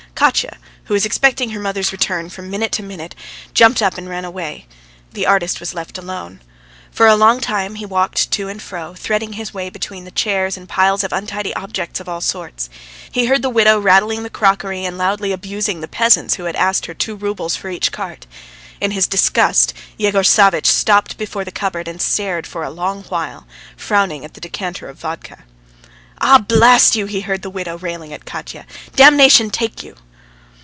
Katya, who was expecting her mother's return from minute to minute, jumped up and ran away. The artist was left alone. For a long time he walked to and fro, threading his way between the chairs and the piles of untidy objects of all sorts. He heard the widow rattling the crockery and loudly abusing the peasants who had asked her two roubles for each cart. In his disgust Yegor Savvitch stopped before the cupboard and stared for a long while, frowning at the decanter of vodka. "Ah, blast you!" he heard the widow railing at Katya. "Damnation take you!"